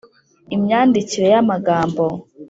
Imyandikire y’amagambo